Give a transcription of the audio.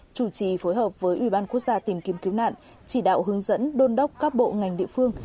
chủ trì phối hợp với ủy ban quốc gia tìm kiếm cứu nạn chỉ đạo hướng dẫn đôn đốc các bộ ngành địa phương